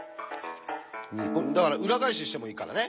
だから裏返ししてもいいからね。